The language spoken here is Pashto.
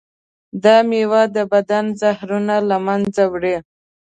دا میوه د بدن زهرونه له منځه وړي.